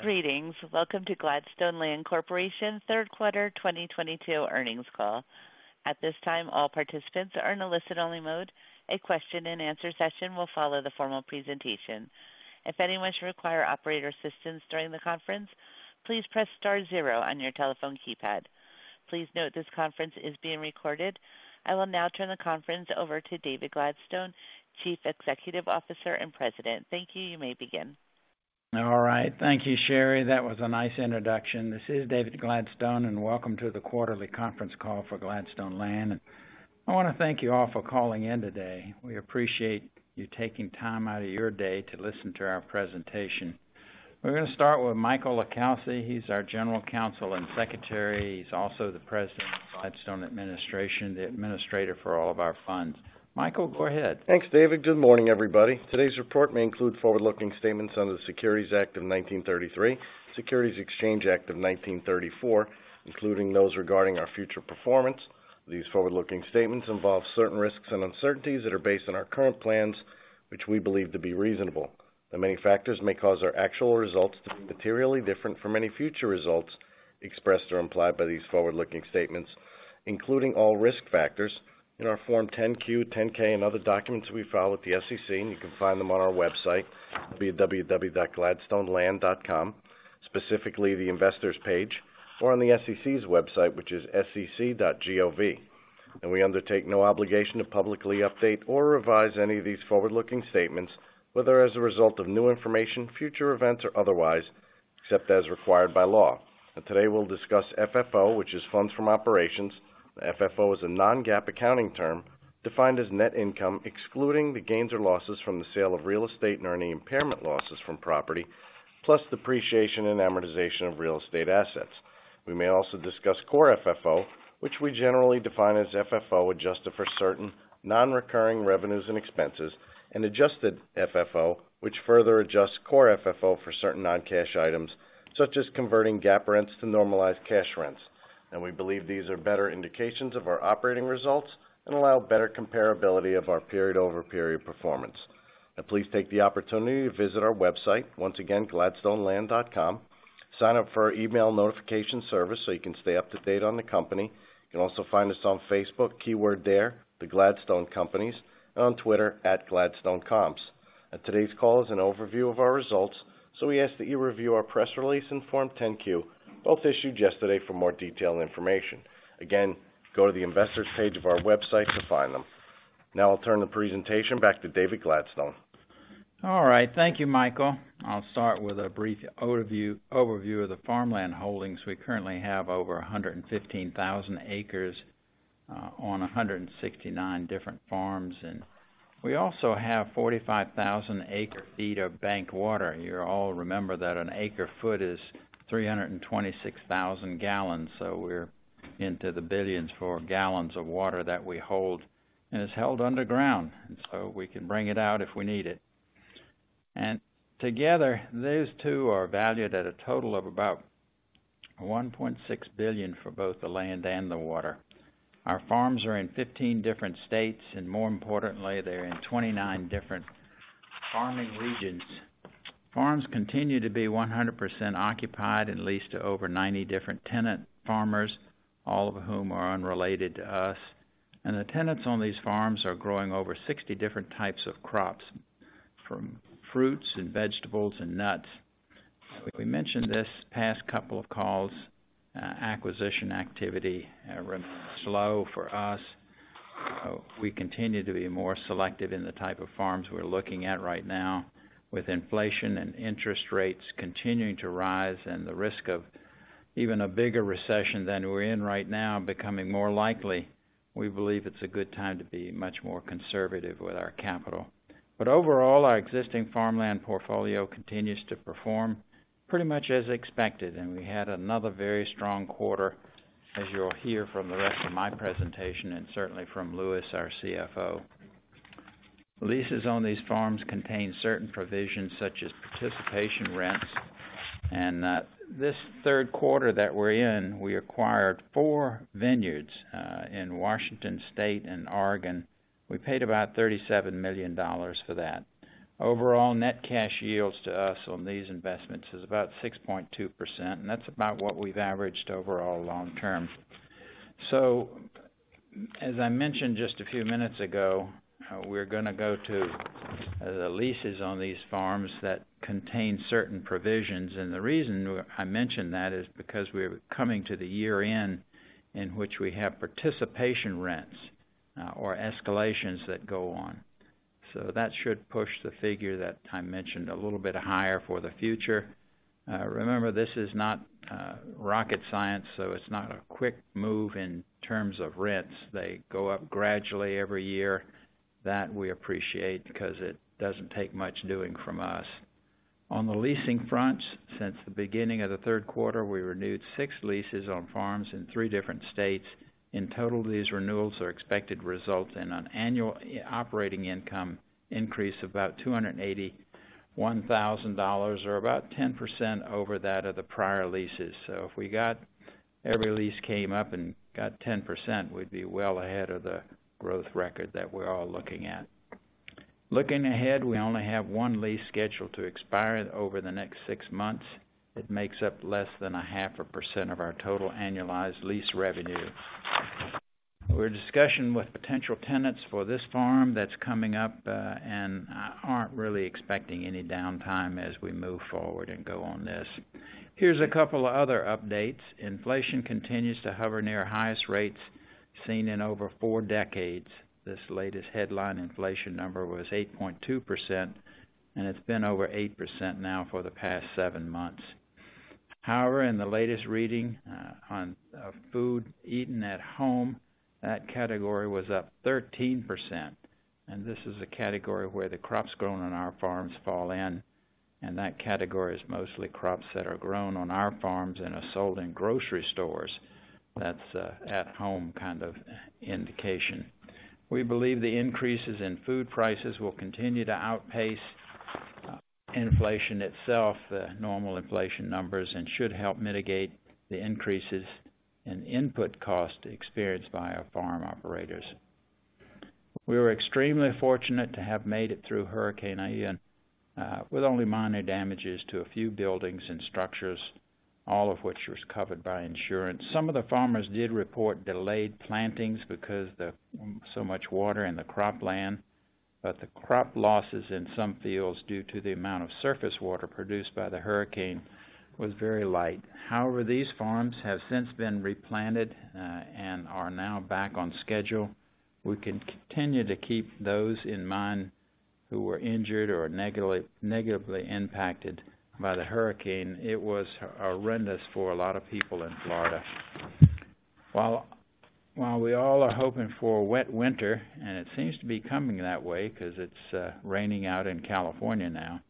Greetings. Welcome to Gladstone Land Corporation third quarter 2022 Earnings call. At this time, all participants are in a listen-only mode. A question-and-answer session will follow the formal presentation. If anyone should require operator assistance during the conference, please press star zero on your telephone keypad. Please note this conference is being recorded. I will now turn the conference over to David Gladstone, Chief Executive Officer and President. Thank you. You may begin. All right. Thank you, Sherry. That was a nice introduction. This is David Gladstone, and welcome to the quarterly conference call for Gladstone Land. I wanna thank you all for calling in today. We appreciate you taking time out of your day to listen to our presentation. We're gonna start with Michael LiCalsi. He's our General Counsel and Secretary. He's also the President of Gladstone Administration, the administrator for all of our funds. Michael, go ahead. Thanks, David. Good morning, everybody. Today's report may include forward-looking statements under the Securities Act of 1933, Securities Exchange Act of 1934, including those regarding our future performance. These forward-looking statements involve certain risks and uncertainties that are based on our current plans, which we believe to be reasonable. That many factors may cause our actual results to be materially different from any future results expressed or implied by these forward-looking statements, including all risk factors in our Form 10-Q, 10-K, and other documents we file with the SEC, and you can find them on our website via www.gladstoneland.com, specifically the investors page, or on the SEC's website, which is sec.gov. We undertake no obligation to publicly update or revise any of these forward-looking statements, whether as a result of new information, future events or otherwise, except as required by law. Today, we'll discuss FFO, which is funds from operations. FFO is a non-GAAP accounting term defined as net income, excluding the gains or losses from the sale of real estate and earning impairment losses from property, plus depreciation and amortization of real estate assets. We may also discuss Core FFO, which we generally define as FFO, adjusted for certain non-recurring revenues and expenses, and Adjusted FFO, which further adjusts Core FFO for certain non-cash items, such as converting GAAP rents to normalized cash rents. We believe these are better indications of our operating results and allow better comparability of our period-over-period performance. Please take the opportunity to visit our website. Once again, gladstoneland.com. Sign up for our email notification service so you can stay up-to-date on the company. You can also find us on Facebook, keyword there, the Gladstone Companies, and on Twitter, @GladstoneComps. Today's call is an overview of our results, so we ask that you review our press release in Form 10-Q, both issued yesterday for more detailed information. Again, go to the investors page of our website to find them. Now I'll turn the presentation back to David Gladstone. All right. Thank you, Michael. I'll start with a brief overview of the farmland holdings. We currently have over 115,000 acres on 169 different farms, and we also have 45,000 acre-feet of bank water. You all remember that an acre-foot is 326,000 gallons, so we're into the billions of gallons of water that we hold and is held underground, and so we can bring it out if we need it. Together, those two are valued at a total of about $1.6 billion for both the land and the water. Our farms are in 15 different states, and more importantly, they're in 29 different farming regions. Farms continue to be 100% occupied and leased to over 90 different tenant farmers, all of whom are unrelated to us. The tenants on these farms are growing over 60 different types of crops from fruits and vegetables and nuts. We mentioned this past couple of calls, acquisition activity have been slow for us. We continue to be more selective in the type of farms we're looking at right now. With inflation and interest rates continuing to rise and the risk of even a bigger recession than we're in right now becoming more likely, we believe it's a good time to be much more conservative with our capital. Overall, our existing farmland portfolio continues to perform pretty much as expected, and we had another very strong quarter, as you'll hear from the rest of my presentation and certainly from Lewis, our CFO. Leases on these farms contain certain provisions such as participation rents. This third quarter that we're in, we acquired four vineyards in Washington State and Oregon. We paid about $37 million for that. Overall, net cash yields to us on these investments is about 6.2%, and that's about what we've averaged overall long term. As I mentioned just a few minutes ago, we're gonna go to the leases on these farms that contain certain provisions. The reason I mentioned that is because we're coming to the year-end in which we have participation rents or escalations that go on. That should push the figure that I mentioned a little bit higher for the future. Remember, this is not rocket science, so it's not a quick move in terms of rents. They go up gradually every year. That we appreciate because it doesn't take much doing from us. On the leasing front, since the beginning of the third quarter, we renewed six leases on farms in three different states. In total, these renewals are expected to result in an annual operating income increase of about $281,000 or about 10% over that of the prior leases. If every lease came up and got 10%, we'd be well ahead of the growth record that we're all looking at. Looking ahead, we only have one lease scheduled to expire over the next six months. It makes up less than 0.5% of our total annualized lease revenue. We're in discussion with potential tenants for this farm that's coming up and aren't really expecting any downtime as we move forward and go on this. Here's a couple of other updates. Inflation continues to hover near highest rates seen in over four decades. This latest headline inflation number was 8.2%, and it's been over 8% now for the past seven months. However, in the latest reading, on food eaten at home, that category was up 13%. This is a category where the crops grown on our farms fall in, and that category is mostly crops that are grown on our farms and are sold in grocery stores. That's at home kind of indication. We believe the increases in food prices will continue to outpace inflation itself, the normal inflation numbers, and should help mitigate the increases in input cost experienced by our farm operators. We were extremely fortunate to have made it through Hurricane Ian with only minor damages to a few buildings and structures, all of which was covered by insurance. Some of the farmers did report delayed plantings because so much water in the cropland, but the crop losses in some fields, due to the amount of surface water produced by the hurricane, was very light. However, these farms have since been replanted and are now back on schedule. We continue to keep those in mind who were injured or negatively impacted by the hurricane. It was horrendous for a lot of people in Florida. While we all are hoping for a wet winter, and it seems to be coming that way 'cause it's raining out in California now,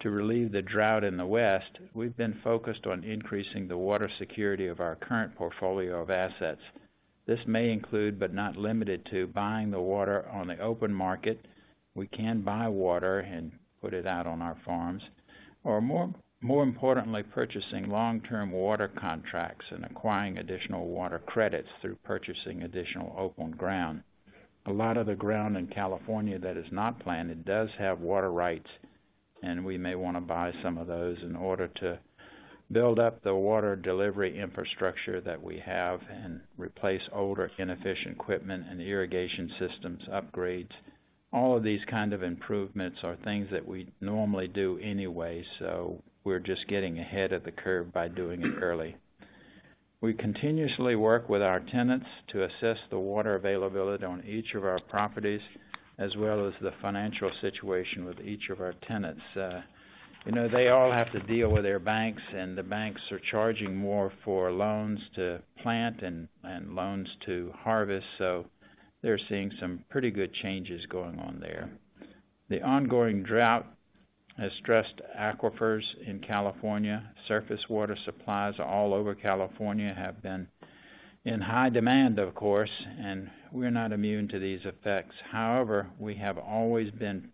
to relieve the drought in the West, we've been focused on increasing the water security of our current portfolio of assets. This may include, but not limited to, buying the water on the open market. We can buy water and put it out on our farms, or more importantly, purchasing long-term water contracts and acquiring additional water credits through purchasing additional open ground. A lot of the ground in California that is not planted does have water rights, and we may wanna buy some of those in order to build up the water delivery infrastructure that we have and replace older, inefficient equipment and irrigation systems upgrades. All of these kind of improvements are things that we'd normally do anyway, so we're just getting ahead of the curve by doing it early. We continuously work with our tenants to assess the water availability on each of our properties, as well as the financial situation with each of our tenants. You know, they all have to deal with their banks, and the banks are charging more for loans to plant and loans to harvest, so they're seeing some pretty good changes going on there. The ongoing drought has stressed aquifers in California. Surface water supplies all over California have been in high demand, of course, and we're not immune to these effects. However, we have always been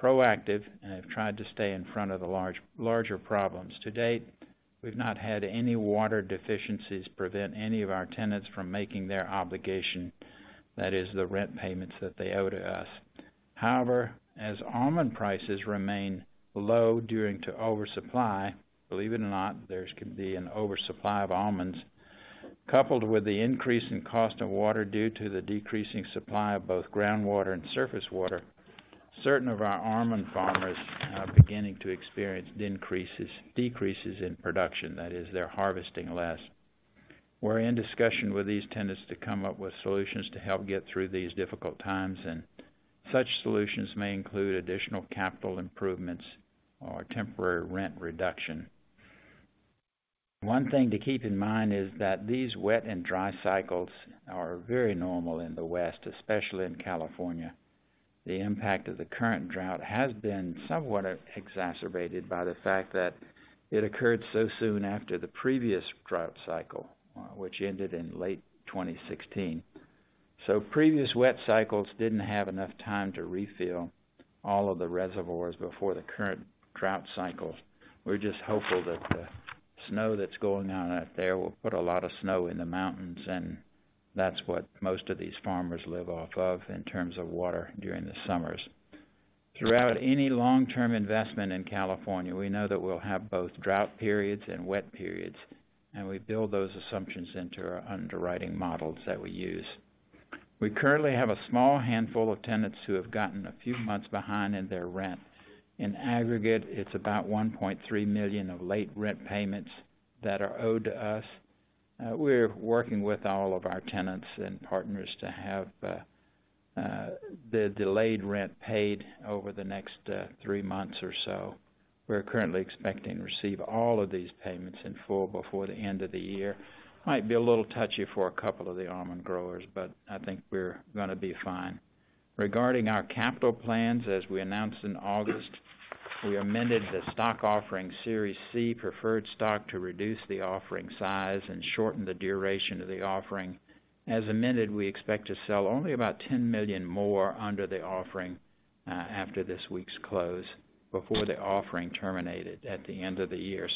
proactive and have tried to stay in front of the larger problems. To date, we've not had any water deficiencies prevent any of our tenants from making their obligation. That is, the rent payments that they owe to us. However, as almond prices remain low due to oversupply, believe it or not, there can be an oversupply of almonds, coupled with the increase in cost of water due to the decreasing supply of both groundwater and surface water, certain of our almond farmers are beginning to experience decreases in production. That is, they're harvesting less. We're in discussion with these tenants to come up with solutions to help get through these difficult times, and such solutions may include additional capital improvements or temporary rent reduction. One thing to keep in mind is that these wet and dry cycles are very normal in the West, especially in California. The impact of the current drought has been somewhat exacerbated by the fact that it occurred so soon after the previous drought cycle, which ended in late 2016. Previous wet cycles didn't have enough time to refill all of the reservoirs before the current drought cycle. We're just hopeful that the snow that's going on out there will put a lot of snow in the mountains, and that's what most of these farmers live off of in terms of water during the summers. Throughout any long-term investment in California, we know that we'll have both drought periods and wet periods, and we build those assumptions into our underwriting models that we use. We currently have a small handful of tenants who have gotten a few months behind in their rent. In aggregate, it's about $1.3 million of late rent payments that are owed to us. We're working with all of our tenants and partners to have the delayed rent paid over the next three months or so. We're currently expecting to receive all of these payments in full before the end of the year. Might be a little touchy for a couple of the almond growers, but I think we're gonna be fine. Regarding our capital plans, as we announced in August, we amended the stock offering Series C preferred stock to reduce the offering size and shorten the duration of the offering. As amended, we expect to sell only about $10 million more under the offering after this week's close, before the offering terminated at the end of the year.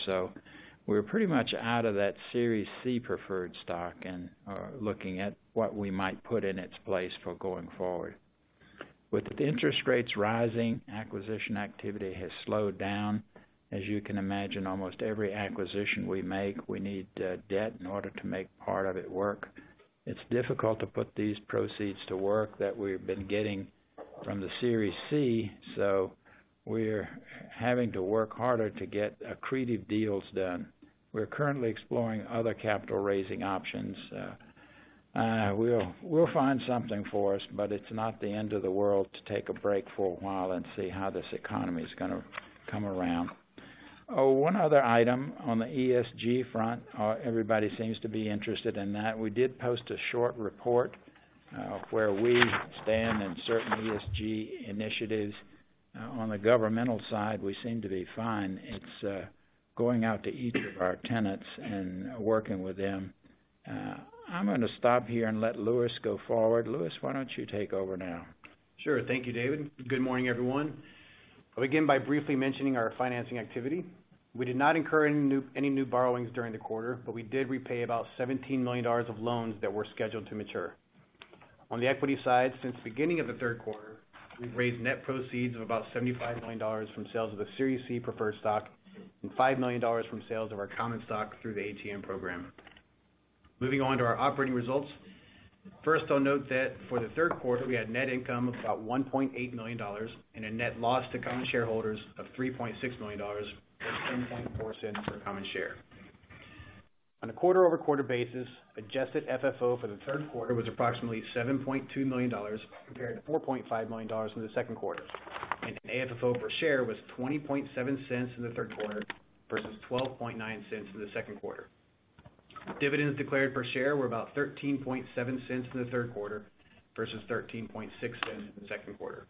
We're pretty much out of that Series C preferred stock and are looking at what we might put in its place for going forward. With interest rates rising, acquisition activity has slowed down. As you can imagine, almost every acquisition we make, we need debt in order to make part of it work. It's difficult to put these proceeds to work that we've been getting from the Series C, so we're having to work harder to get accretive deals done. We're currently exploring other capital-raising options. We'll find something for us, but it's not the end of the world to take a break for a while and see how this economy is gonna come around. Oh, one other item on the ESG front. Everybody seems to be interested in that. We did post a short report where we stand in certain ESG initiatives. On the governmental side, we seem to be fine. It's going out to each of our tenants and working with them. I'm gonna stop here and let Lewis go forward. Lewis, why don't you take over now? Sure. Thank you, David. Good morning, everyone. I'll begin by briefly mentioning our financing activity. We did not incur any new borrowings during the quarter, but we did repay about $17 million of loans that were scheduled to mature. On the equity side, since the beginning of the third quarter, we've raised net proceeds of about $75 million from sales of the Series C preferred stock and $5 million from sales of our common stock through the ATM program. Moving on to our operating results. First, I'll note that for the third quarter, we had net income of about $1.8 million and a net loss to common shareholders of $3.6 million or $0.074 per common share. On a quarter-over-quarter basis, adjusted FFO for the third quarter was approximately $7.2 million compared to $4.5 million in the second quarter, and AFFO per share was $0.207 in the third quarter versus $0.129 in the second quarter. Dividends declared per share were about $0.137 in the third quarter versus $0.136 in the second quarter.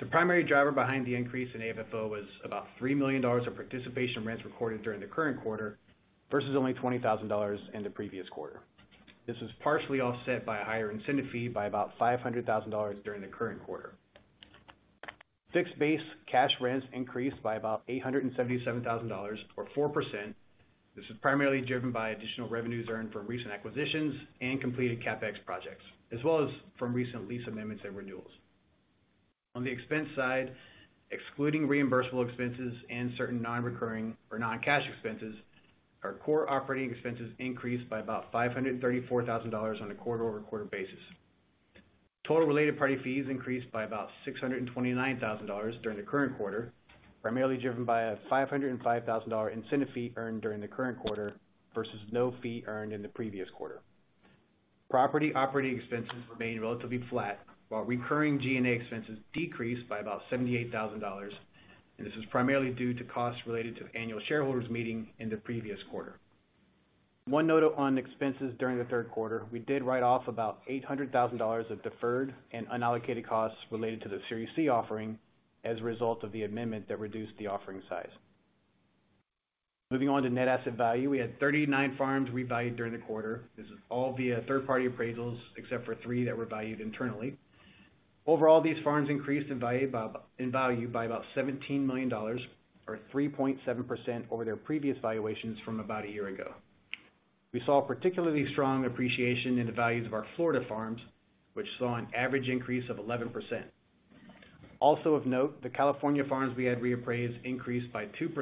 The primary driver behind the increase in AFFO was about $3 million of participation rents recorded during the current quarter versus only $20,000 in the previous quarter. This was partially offset by a higher incentive fee by about $500,000 during the current quarter. Fixed base cash rents increased by about $877,000 or 4%. This is primarily driven by additional revenues earned from recent acquisitions and completed CapEx projects, as well as from recent lease amendments and renewals. On the expense side, excluding reimbursable expenses and certain non-recurring or non-cash expenses, our core operating expenses increased by about $534,000 thousand on a quarter-over-quarter basis. Total related party fees increased by about $629 thousand during the current quarter, primarily driven by a $505 thousand incentive fee earned during the current quarter versus no fee earned in the previous quarter. Property operating expenses remained relatively flat, while recurring G&A expenses decreased by about $78 thousand. This is primarily due to costs related to annual shareholders meeting in the previous quarter. One note on expenses during the third quarter, we did write off about $800,000 of deferred and unallocated costs related to the Series C offering as a result of the amendment that reduced the offering size. Moving on to net asset value. We had 39 farms revalued during the quarter. This is all via third-party appraisals, except for three that were valued internally. Overall, these farms increased in value by about $17 million or 3.7% over their previous valuations from about a year ago. We saw a particularly strong appreciation in the values of our Florida farms, which saw an average increase of 11%. Also of note, the California farms we had reappraised increased by 2%.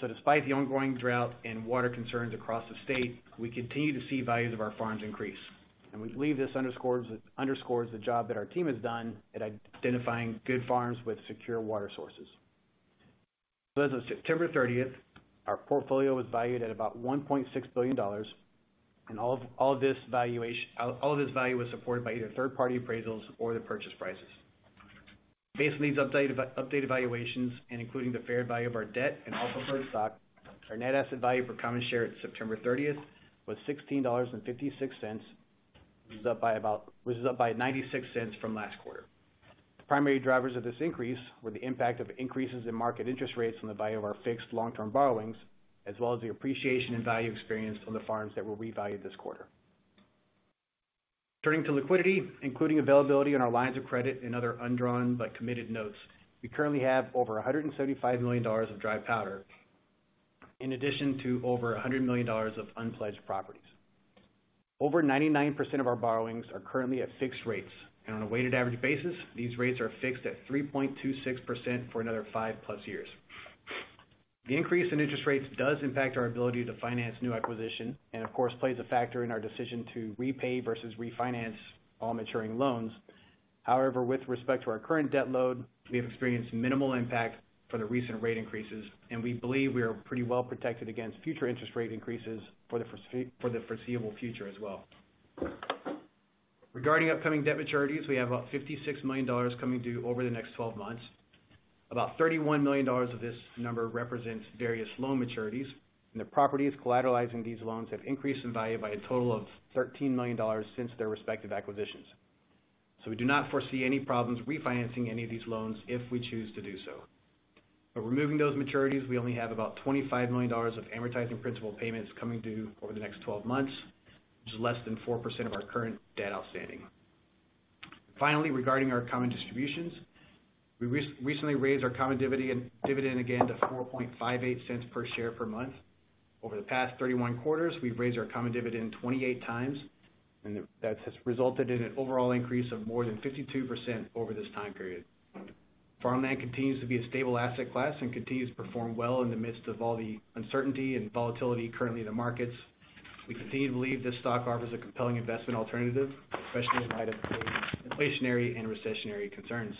Despite the ongoing drought and water concerns across the state, we continue to see values of our farms increase. We believe this underscores the job that our team has done at identifying good farms with secure water sources. As of 30th September, our portfolio was valued at about $1.6 billion. All this value was supported by either third-party appraisals or the purchase prices. Based on these updated valuations and including the fair value of our debt and all preferred stock, our net asset value per common share at 30th September was $16.56. This is up by which is up by 0.96 from last quarter. The primary drivers of this increase were the impact of increases in market interest rates on the value of our fixed long-term borrowings, as well as the appreciation and value experienced on the farms that were revalued this quarter. Turning to liquidity, including availability on our lines of credit and other undrawn but committed notes, we currently have over $175 million of dry powder in addition to over $100 million of unpledged properties. Over 99% of our borrowings are currently at fixed rates, and on a weighted average basis, these rates are fixed at 3.26% for another 5+ years. The increase in interest rates does impact our ability to finance new acquisition and of course, plays a factor in our decision to repay versus refinance all maturing loans. However, with respect to our current debt load, we have experienced minimal impact for the recent rate increases, and we believe we are pretty well protected against future interest rate increases for the foreseeable future as well. Regarding upcoming debt maturities, we have about $56 million coming due over the next 12 months. About $31 million of this number represents various loan maturities, and the properties collateralizing these loans have increased in value by a total of $13 million since their respective acquisitions. We do not foresee any problems refinancing any of these loans if we choose to do so. Removing those maturities, we only have about $25 million of amortizing principal payments coming due over the next 12 months, which is less than 4% of our current debt outstanding. Finally, regarding our common distributions. We recently raised our common dividend again to $0.0458 per share per month. Over the past 31 quarters, we've raised our common dividend 28x, and that has resulted in an overall increase of more than 52% over this time period. Farmland continues to be a stable asset class and continues to perform well in the midst of all the uncertainty and volatility currently in the markets. We continue to believe this stock offers a compelling investment alternative, especially in light of inflationary and recessionary concerns.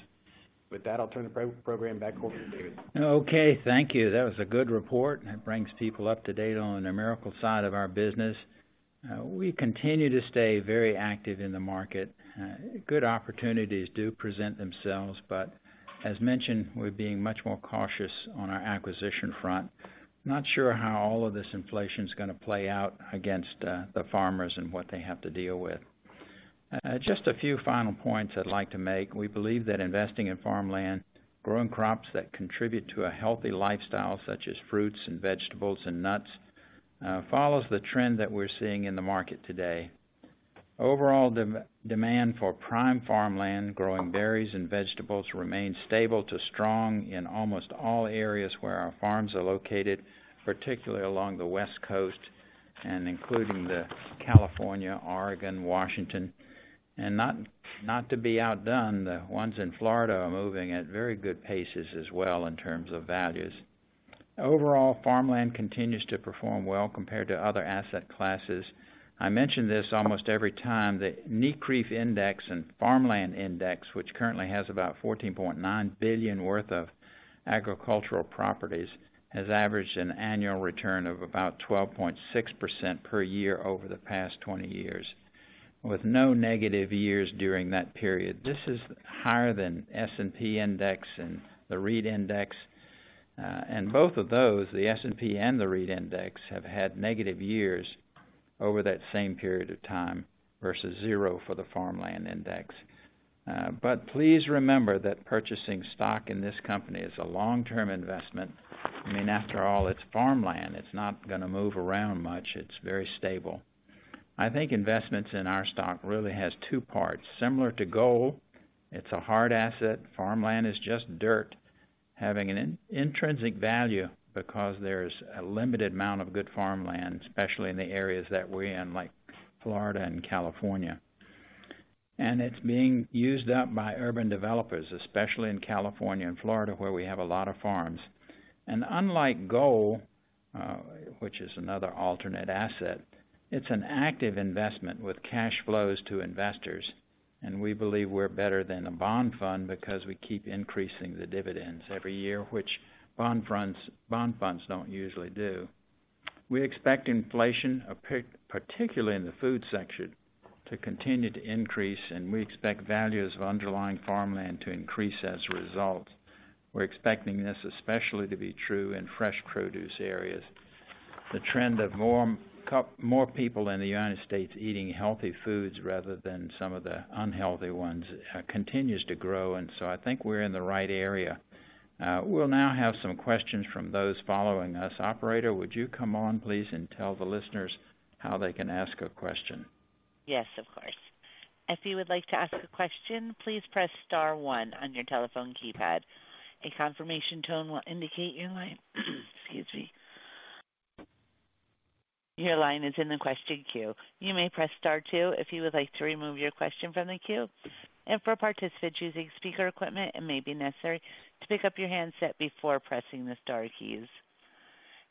With that, I'll turn the program back over to David. Okay. Thank you. That was a good report, and it brings people up to date on the numerical side of our business. We continue to stay very active in the market. Good opportunities do present themselves, but as mentioned, we're being much more cautious on our acquisition front. Not sure how all of this inflation is gonna play out against the farmers and what they have to deal with. Just a few final points I'd like to make. We believe that investing in farmland, growing crops that contribute to a healthy lifestyle such as fruits and vegetables and nuts, follows the trend that we're seeing in the market today. Overall demand for prime farmland, growing berries and vegetables remains stable to strong in almost all areas where our farms are located, particularly along the West Coast and including California, Oregon, Washington. Not to be outdone, the ones in Florida are moving at very good paces as well in terms of values. Overall, farmland continues to perform well compared to other asset classes. I mention this almost every time, the NCREIF Farmland Index, which currently has about $14.9 billion worth of agricultural properties, has averaged an annual return of about 12.6% per year over the past 20 years, with no negative years during that period. This is higher than S&P Index and the REIT Index. Both of those, the S&P and the REIT Index, have had negative years over that same period of time versus zero for the Farmland Index. Please remember that purchasing stock in this company is a long-term investment. I mean, after all, it's farmland, it's not gonna move around much. It's very stable. I think investments in our stock really has two parts. Similar to gold, it's a hard asset. Farmland is just dirt, having an intrinsic value because there's a limited amount of good farmland, especially in the areas that we're in, like Florida and California. It's being used up by urban developers, especially in California and Florida, where we have a lot of farms. Unlike gold, which is another alternative asset, it's an active investment with cash flows to investors. We believe we're better than a bond fund because we keep increasing the dividends every year, which bond funds don't usually do. We expect inflation, particularly in the food sector, to continue to increase, and we expect values of underlying farmland to increase as a result. We're expecting this especially to be true in fresh produce areas. The trend of more people in the United States eating healthy foods rather than some of the unhealthy ones continues to grow, and so I think we're in the right area. We'll now have some questions from those following us. Operator, would you come on, please, and tell the listeners how they can ask a question? Yes, of course. If you would like to ask a question, please press star one on your telephone keypad. A confirmation tone will indicate your line. Excuse me. Your line is in the question queue. You may press star two if you would like to remove your question from the queue. For participants using speaker equipment, it may be necessary to pick up your handset before pressing the star keys.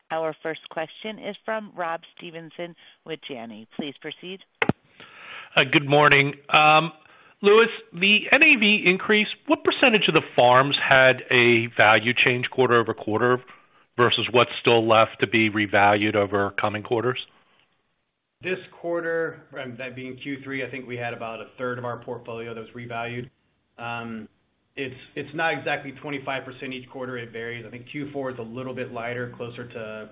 Our first question is from Rob Stevenson with Janney. Please proceed. Good morning. Lewis, the NAV increase, what percentage of the farms had a value change quarter-over-quarter versus what's still left to be revalued over coming quarters? This quarter, that being Q3, I think we had about a third of our portfolio that was revalued. It's not exactly 25% each quarter. It varies. I think Q4 is a little bit lighter, closer to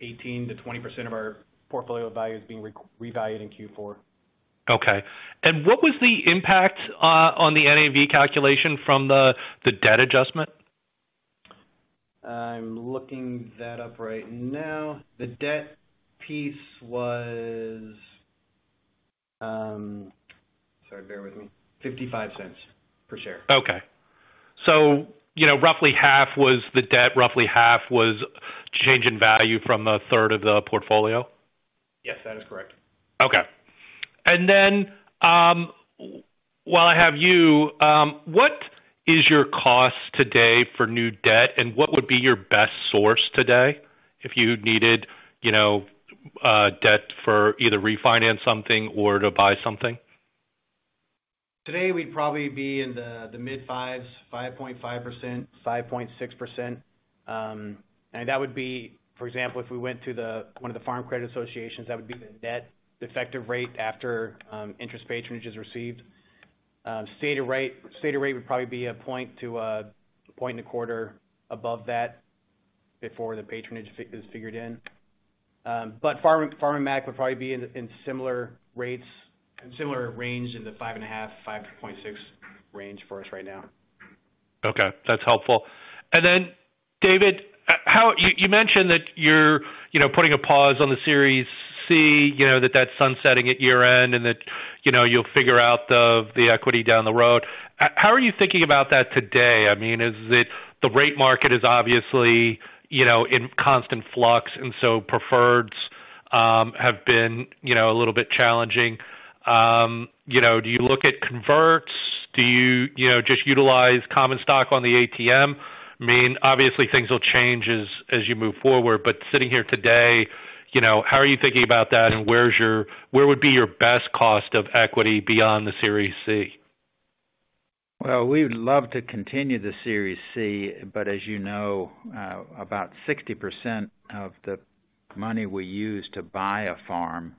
18%-20% of our portfolio value is being revalued in Q4. Okay. What was the impact on the NAV calculation from the debt adjustment? I'm looking that up right now. The debt piece was, sorry, bear with me, $0.55 per share. Okay. You know, roughly half was the debt, roughly half was change in value from a third of the portfolio? Yes, that is correct. Okay. While I have you, what is your cost today for new debt, and what would be your best source today if you needed, you know, debt for either refinance something or to buy something? Today, we'd probably be in the mid-5s, 5.5%, 5.6%. That would be, for example, if we went to one of the Farm Credit Associations, that would be the debt effective rate after interest patronage is received. Stated rate would probably be a point two, a point and a quarter above that before the patronage is figured in. Farmer Mac would probably be in similar rates and similar range in the 5.5-5.6 range for us right now. Okay, that's helpful. You mentioned that you're, you know, putting a pause on the Series C, you know, that's sunsetting at year-end and that, you know, you'll figure out the equity down the road. How are you thinking about that today? I mean, is it the rate market is obviously, you know, in constant flux, and so preferreds have been, you know, a little bit challenging. You know, do you look at converts? Do you know, just utilize common stock on the ATM? I mean, obviously things will change as you move forward, but sitting here today, you know, how are you thinking about that and where would be your best cost of equity beyond the Series C? Well, we would love to continue the Series C, but as you know, about 60% of the money we use to buy a farm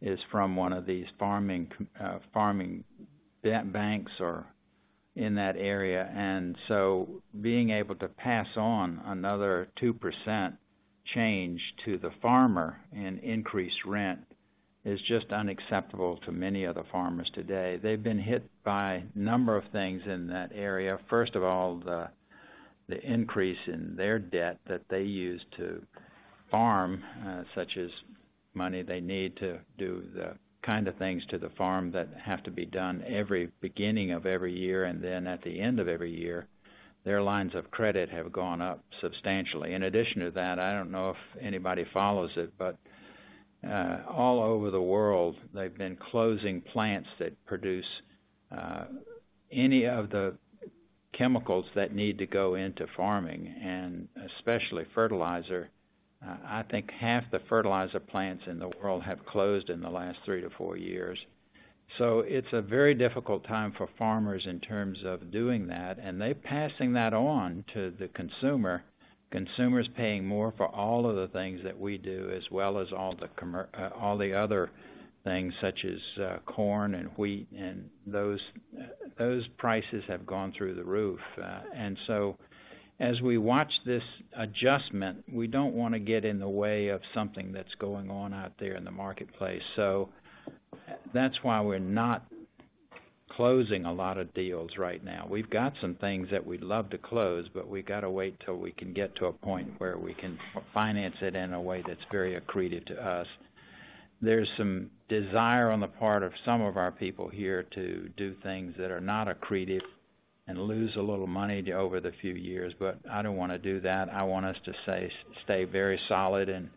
is from one of these Farm Credit associations or in that area. Being able to pass on another 2% change to the farmer in increased rent is just unacceptable to many of the farmers today. They've been hit by a number of things in that area. First of all, the increase in their debt that they use to farm, such as money they need to do the kind of things to the farm that have to be done every beginning of every year, and then at the end of every year, their lines of credit have gone up substantially. In addition to that, I don't know if anybody follows it, but all over the world, they've been closing plants that produce any of the chemicals that need to go into farming and especially fertilizer. I think half the fertilizer plants in the world have closed in the last 3-4 years. It's a very difficult time for farmers in terms of doing that, and they're passing that on to the consumer. Consumer's paying more for all of the things that we do, as well as all the other things such as corn and wheat and those prices have gone through the roof. As we watch this adjustment, we don't wanna get in the way of something that's going on out there in the marketplace. That's why we're not closing a lot of deals right now. We've got some things that we'd love to close, but we gotta wait till we can get to a point where we can finance it in a way that's very accreted to us. There's some desire on the part of some of our people here to do things that are not accreted and lose a little money over the few years, but I don't wanna do that. I want us to stay very solid and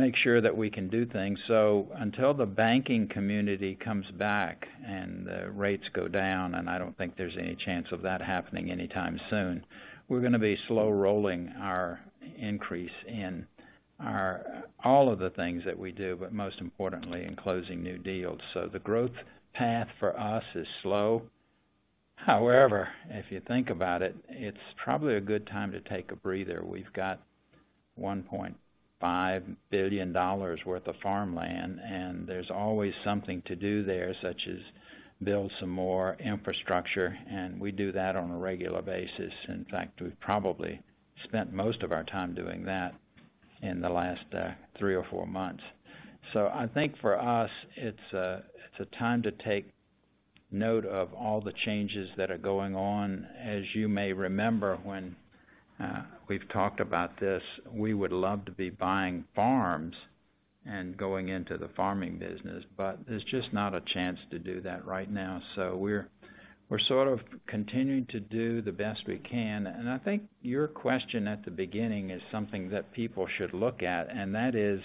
make sure that we can do things. Until the banking community comes back and the rates go down, and I don't think there's any chance of that happening anytime soon, we're gonna be slow rolling our increase in all of the things that we do, but most importantly in closing new deals. The growth path for us is slow. However, if you think about it's probably a good time to take a breather. We've got $1.5 billion worth of farmland, and there's always something to do there, such as build some more infrastructure, and we do that on a regular basis. In fact, we've probably spent most of our time doing that in the last three or four months. I think for us, it's a time to take note of all the changes that are going on. As you may remember, we've talked about this, we would love to be buying farms and going into the farming business, but there's just not a chance to do that right now. We're sort of continuing to do the best we can. I think your question at the beginning is something that people should look at, and that is,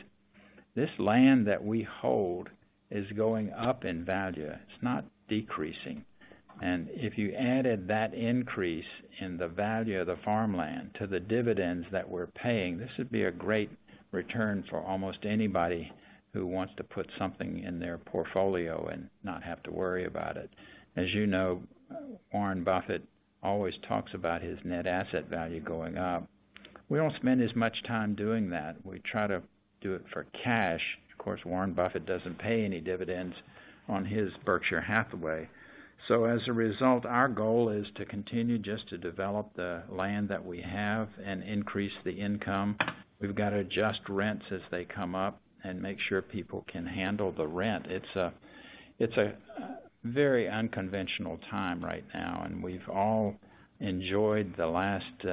this land that we hold is going up in value. It's not decreasing. If you added that increase in the value of the farmland to the dividends that we're paying, this would be a great return for almost anybody who wants to put something in their portfolio and not have to worry about it. As you know, Warren Buffett always talks about his net asset value going up. We don't spend as much time doing that. We try to do it for cash. Of course, Warren Buffett doesn't pay any dividends on his Berkshire Hathaway. As a result, our goal is to continue just to develop the land that we have and increase the income. We've got to adjust rents as they come up and make sure people can handle the rent. It's a very unconventional time right now, and we've all enjoyed the last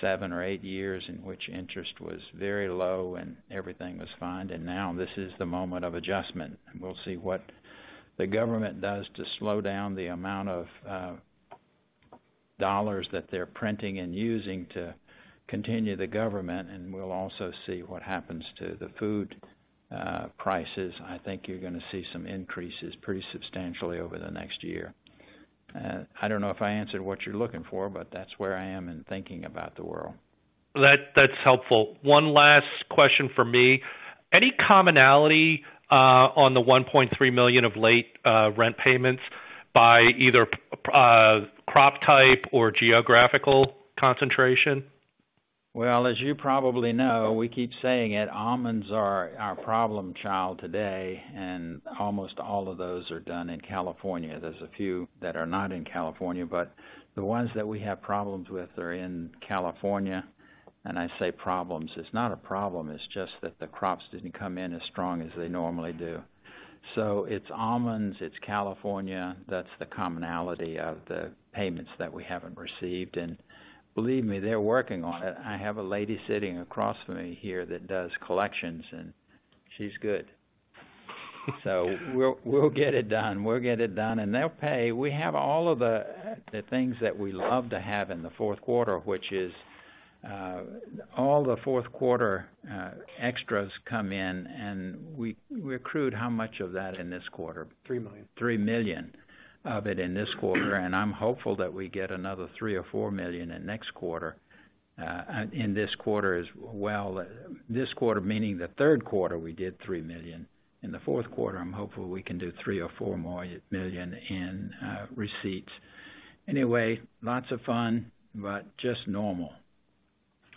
seven or eight years in which interest was very low and everything was fine. This is the moment of adjustment. We'll see what the government does to slow down the amount of dollars that they're printing and using to continue the government, and we'll also see what happens to the food prices. I think you're gonna see some increases pretty substantially over the next year. I don't know if I answered what you're looking for, but that's where I am in thinking about the world. That's helpful. One last question from me. Any commonality on the $1.3 million of late rent payments by either crop type or geographical concentration? Well, as you probably know, we keep saying it, almonds are our problem child today, and almost all of those are done in California. There's a few that are not in California, but the ones that we have problems with are in California. I say problems, it's not a problem, it's just that the crops didn't come in as strong as they normally do. It's almonds, it's California. That's the commonality of the payments that we haven't received. Believe me, they're working on it. I have a lady sitting across from me here that does collections, and she's good. We'll get it done. We'll get it done and they'll pay. We have all of the things that we love to have in the fourth quarter, which is all the fourth quarter extras come in and we accrued how much of that in this quarter? $3 million. $3 million of it in this quarter. I'm hopeful that we get another $3-$4 million in next quarter, in this quarter as well. This quarter, meaning the third quarter, we did $3 million. In the fourth quarter, I'm hopeful we can do $3-$4 million more in receipts. Anyway, lots of fun, but just normal.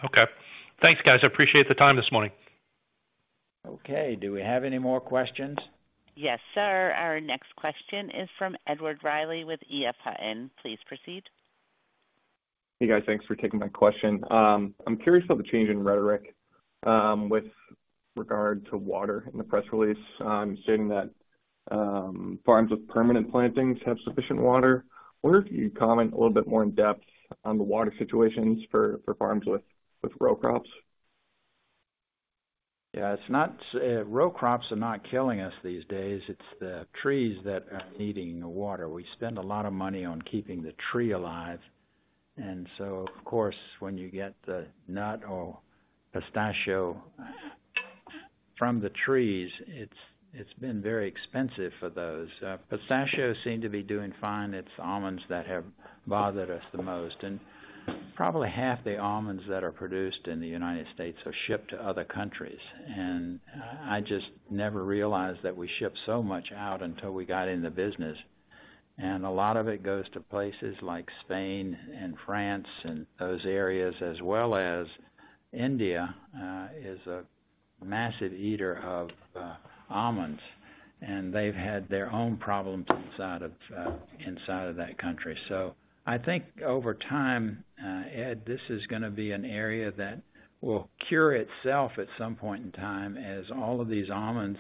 Okay. Thanks, guys. I appreciate the time this morning. Okay. Do we have any more questions? Yes, sir. Our next question is from Edward Riley with EF Hutton. Please proceed. Hey, guys. Thanks for taking my question. I'm curious about the change in rhetoric with regard to water in the press release stating that farms with permanent plantings have sufficient water. I wonder if you could comment a little bit more in depth on the water situations for farms with row crops. Yeah, row crops are not killing us these days. It's the trees that are needing the water. We spend a lot of money on keeping the tree alive. Of course, when you get the nut or pistachio from the trees, it's been very expensive for those. Pistachios seem to be doing fine. It's almonds that have bothered us the most. Probably half the almonds that are produced in the United States are shipped to other countries. I just never realized that we ship so much out until we got in the business. A lot of it goes to places like Spain and France and those areas as well as India is a massive eater of almonds, and they've had their own problems inside of that country. I think over time, Ed, this is gonna be an area that will cure itself at some point in time as all of these almonds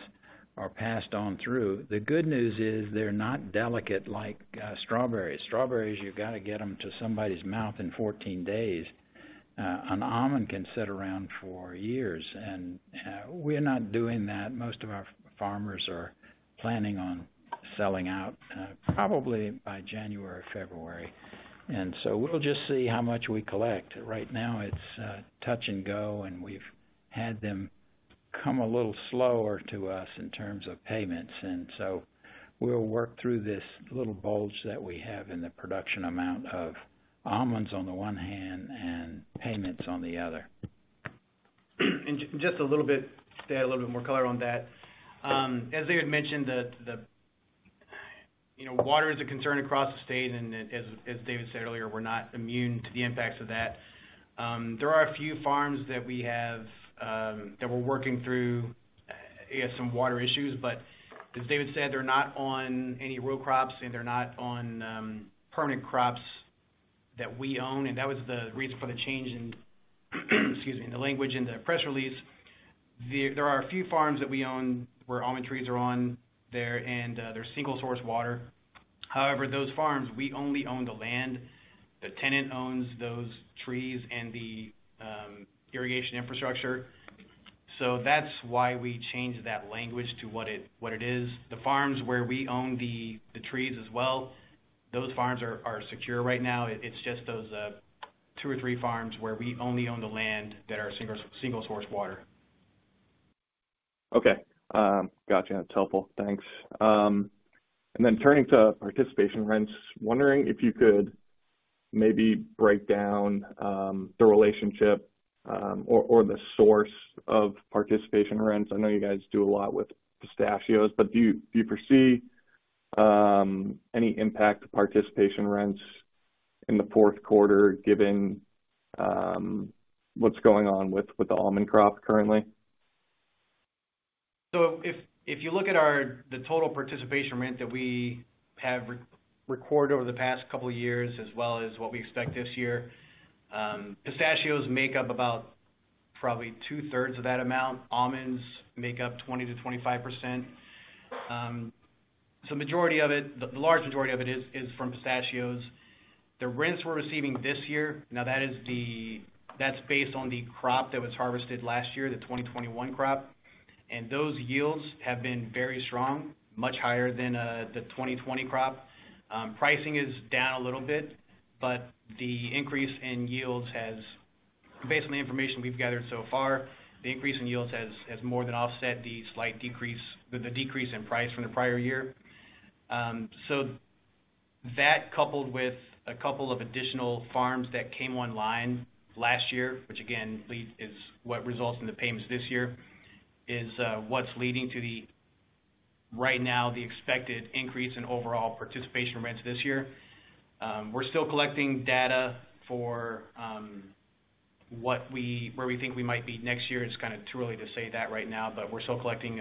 are passed on through. The good news is they're not delicate like strawberries. Strawberries, you've got to get them to somebody's mouth in 14 days. An almond can sit around for years, and we're not doing that. Most of our farmers are planning on selling out probably by January, February. We'll just see how much we collect. Right now, it's touch and go, and we've had them come a little slower to us in terms of payments. We'll work through this little bulge that we have in the production amount of almonds on the one hand and payments on the other. Just a little bit to add a little bit more color on that. As David mentioned, the you know, water is a concern across the state. As David said earlier, we're not immune to the impacts of that. There are a few farms that we have that we're working through. They have some water issues, but as David said, they're not on any row crops and they're not on permanent crops that we own. That was the reason for the change in, excuse me, the language in the press release. There are a few farms that we own where almond trees are on there and they're single-source water. However, those farms, we only own the land. The tenant owns those trees and the irrigation infrastructure. That's why we changed that language to what it is. The farms where we own the trees as well, those farms are secure right now. It's just those two or three farms where we only own the land that are single-source water. Okay. Got you. That's helpful. Thanks. Turning to participation rents, wondering if you could maybe break down the relationship or the source of participation rents. I know you guys do a lot with pistachios, but do you foresee any impact to participation rents in the fourth quarter given what's going on with the almond crop currently? If you look at the total participation rent that we have recognized over the past couple of years as well as what we expect this year, pistachios make up about probably two-thirds of that amount. Almonds make up 20%-25%. Majority of it, the large majority of it is from pistachios. The rents we're receiving this year, that is based on the crop that was harvested last year, the 2021 crop. Those yields have been very strong, much higher than the 2020 crop. Pricing is down a little bit, but the increase in yields has, based on the information we've gathered so far, more than offset the decrease in price from the prior year. That coupled with a couple of additional farms that came online last year, which is what results in the payments this year, is what's leading to, right now, the expected increase in overall participation rents this year. We're still collecting data for where we think we might be next year. It's kind of too early to say that right now, but we're still collecting,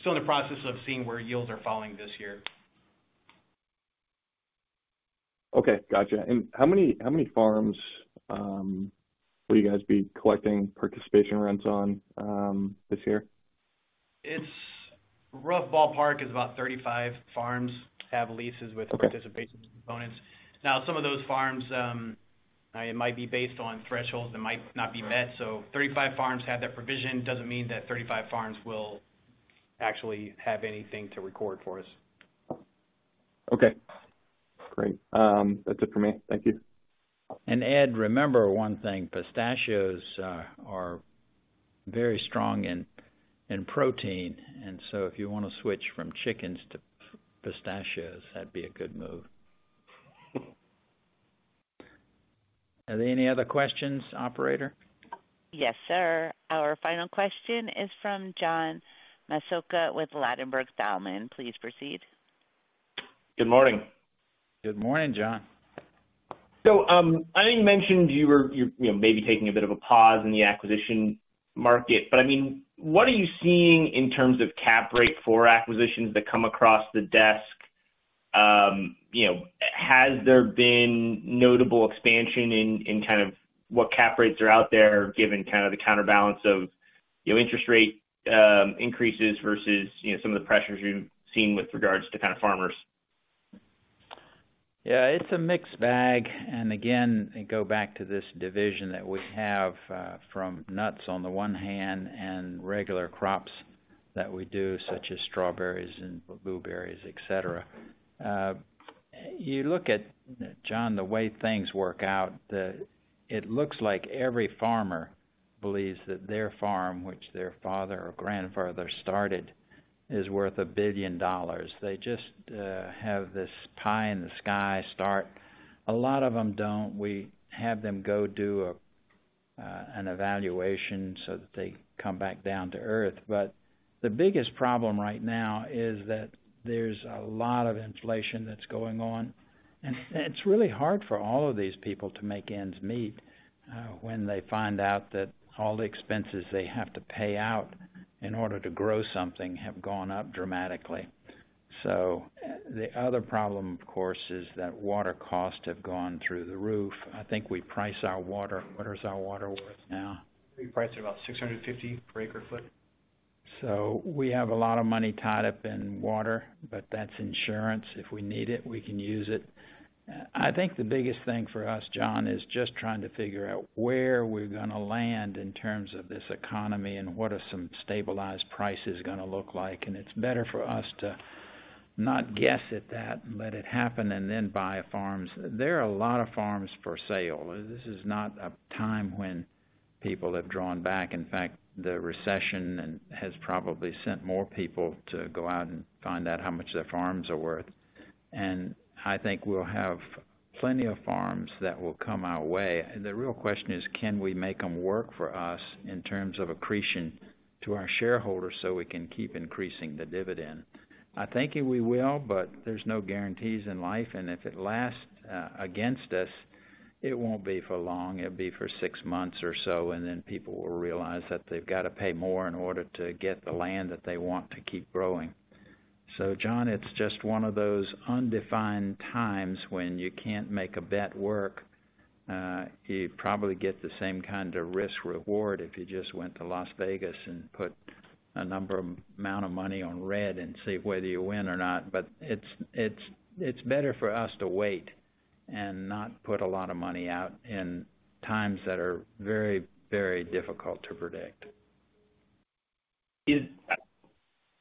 still in the process of seeing where yields are falling this year. Okay, gotcha. How many farms will you guys be collecting participation rents on this year? Rough ballpark is about 35 farms have leases with participation components. Now, some of those farms, it might be based on thresholds that might not be met. 35 farms have that provision, doesn't mean that 35 farms will actually have anything to record for us. Okay, great. That's it for me. Thank you. Ed, remember one thing, pistachios are very strong in protein. If you wanna switch from chickens to pistachios, that'd be a good move. Are there any other questions, operator? Yes, sir. Our final question is from John Massocca with Ladenburg Thalmann. Please proceed. Good morning. Good morning, John. I know you mentioned you're you know maybe taking a bit of a pause in the acquisition market, but I mean what are you seeing in terms of cap rate for acquisitions that come across the desk? You know has there been notable expansion in kind of what cap rates are out there given kind of the counterbalance of you know interest rate increases versus you know some of the pressures you've seen with regards to kind of farmers? Yeah, it's a mixed bag. Again, I go back to this division that we have from nuts on the one hand and regular crops that we do, such as strawberries and blueberries, et cetera. You look at, John, the way things work out. It looks like every farmer believes that their farm, which their father or grandfather started, is worth $1 billion. They just have this pie in the sky start. A lot of them don't. We have them go do an evaluation so that they come back down to earth. The biggest problem right now is that there's a lot of inflation that's going on, and it's really hard for all of these people to make ends meet when they find out that all the expenses they have to pay out in order to grow something have gone up dramatically. The other problem, of course, is that water costs have gone through the roof. I think we price our water. What is our water worth now? We price it about $650 per acre-foot. We have a lot of money tied up in water, but that's insurance. If we need it, we can use it. I think the biggest thing for us, John, is just trying to figure out where we're gonna land in terms of this economy and what are some stabilized prices gonna look like. It's better for us to not guess at that and let it happen and then buy farms. There are a lot of farms for sale. This is not a time when people have drawn back. In fact, the recession has probably sent more people to go out and find out how much their farms are worth. I think we'll have plenty of farms that will come our way. The real question is, can we make them work for us in terms of accretion to our shareholders so we can keep increasing the dividend? I think we will, but there's no guarantees in life. If it lasts against us, it won't be for long. It'll be for six months or so, and then people will realize that they've got to pay more in order to get the land that they want to keep growing. John, it's just one of those undefined times when you can't make a bet work. You'd probably get the same kind of risk reward if you just went to Las Vegas and put a number amount of money on red and see whether you win or not. It's better for us to wait and not put a lot of money out in times that are very, very difficult to predict.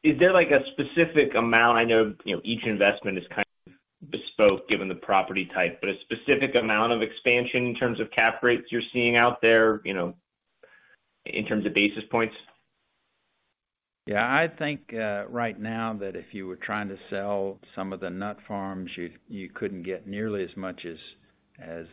Is there like a specific amount? I know, you know, each investment is kind of bespoke given the property type, but a specific amount of expansion in terms of cap rates you're seeing out there, you know, in terms of basis points. Yeah. I think right now that if you were trying to sell some of the nut farms, you couldn't get nearly as much as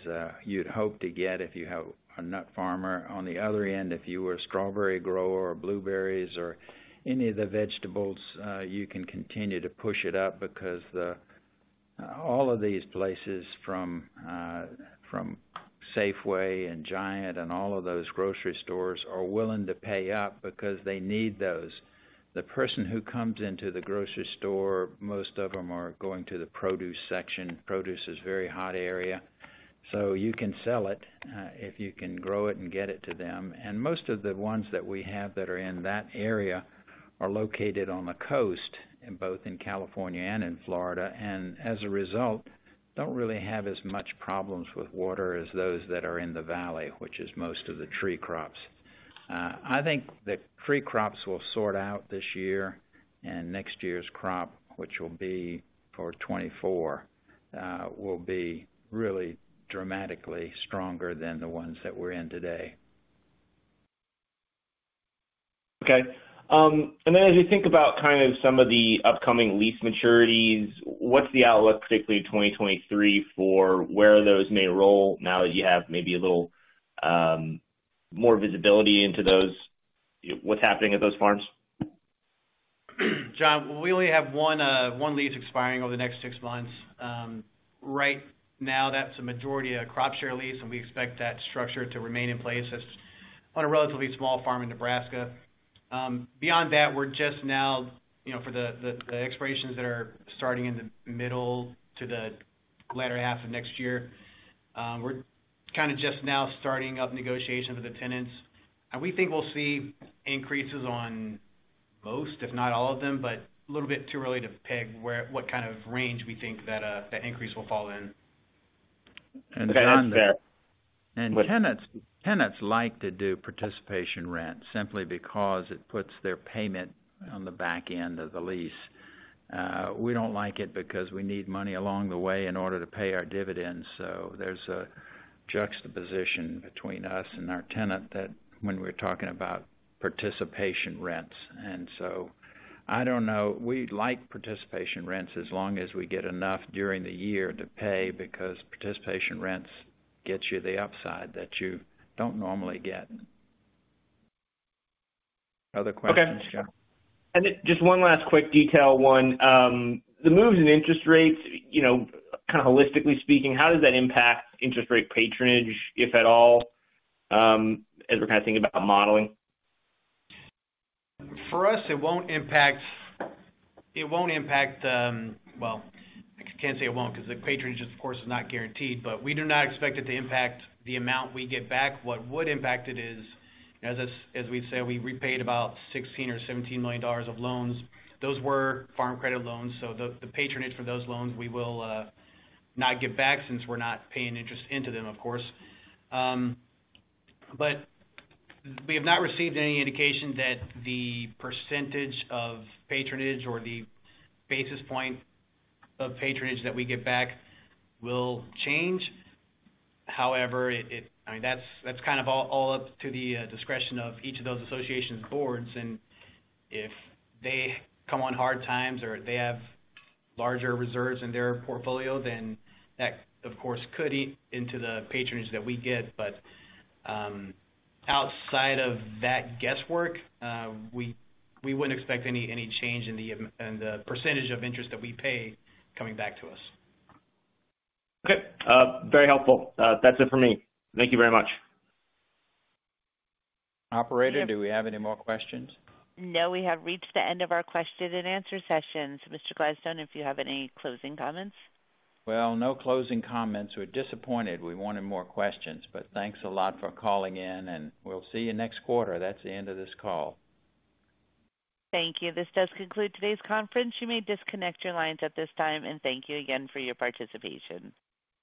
you'd hope to get if you have a nut farmer. On the other end, if you were a strawberry grower or blueberries or any of the vegetables, you can continue to push it up because all of these places from Safeway and Giant and all of those grocery stores are willing to pay up because they need those. The person who comes into the grocery store, most of them are going to the produce section. Produce is very hot area, so you can sell it if you can grow it and get it to them. Most of the ones that we have that are in that area are located on the coast, in both California and in Florida. As a result, don't really have as much problems with water as those that are in the valley, which is most of the tree crops. I think the tree crops will sort out this year, and next year's crop, which will be for 2024, will be really dramatically stronger than the ones that we're in today. Okay. As you think about kind of some of the upcoming lease maturities, what's the outlook particularly in 2023 for where those may roll now that you have maybe a little, more visibility into those, what's happening at those farms? John, we only have one lease expiring over the next six months. Right now, that's a majority of crop share lease, and we expect that structure to remain in place. That's on a relatively small farm in Nebraska. Beyond that, we're just now, you know, for the expirations that are starting in the middle to the latter half of next year, we're just now starting up negotiations with the tenants. We think we'll see increases on most, if not all of them, but a little bit too early to peg where what kind of range we think that the increase will fall in. Tenants like to do participation rent simply because it puts their payment on the back end of the lease. We don't like it because we need money along the way in order to pay our dividends. There's a juxtaposition between us and our tenant that when we're talking about participation rents. I don't know. We like participation rents as long as we get enough during the year to pay, because participation rents get you the upside that you don't normally get. Other questions, John? Okay. Just one last quick detail on the moves in interest rates, you know, kind of holistically speaking, how does that impact interest patronage, if at all, as we're kind of thinking about modeling? For us, it won't impact. Well, I can't say it won't because the patronage, of course, is not guaranteed, but we do not expect it to impact the amount we get back. What would impact it is, as we've said, we repaid about $16 million or $17 million of loans. Those were Farm Credit loans, so the patronage for those loans, we will not get back since we're not paying interest into them, of course. But we have not received any indication that the percentage of patronage or the basis point of patronage that we get back will change. However, I mean, that's kind of all up to the discretion of each of those associations' boards. If they come on hard times or they have larger reserves in their portfolio, then that, of course, could eat into the patronage that we get. Outside of that guesswork, we wouldn't expect any change in the percentage of interest that we pay coming back to us. Okay. Very helpful. That's it for me. Thank you very much. Operator, do we have any more questions? No, we have reached the end of our question and answer session. Mr. Gladstone, if you have any closing comments. Well, no closing comments. We're disappointed we wanted more questions, but thanks a lot for calling in. We'll see you next quarter. That's the end of this call. Thank you. This does conclude today's conference. You may disconnect your lines at this time. Thank you again for your participation.